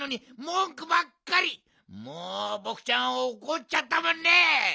もうボクちゃんはおこっちゃったもんね！